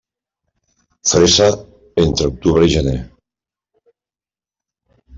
Fresa entre octubre i gener.